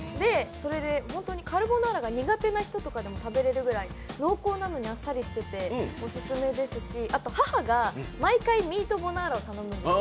本当にカルボナーラが苦手な人とかでも食べれるぐらい濃厚なのにあっさりしててオススメですし、毎回ミートボナーラを頼むんですよ。